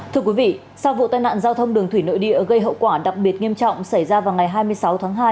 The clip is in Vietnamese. thưa quý vị sau vụ tai nạn giao thông đường thủy nội địa gây hậu quả đặc biệt nghiêm trọng xảy ra vào ngày hai mươi sáu tháng hai